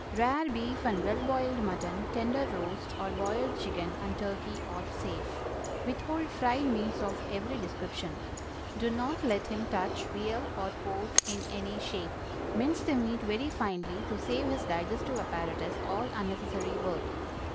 Rare beef and well boiled mutton, tender roast or boiled chicken and turkey are safe. Withhold fried meats of every description. Do not let him touch veal or pork in any shape. Mince the meat very finely to save his digestive apparatus all unnecessary work.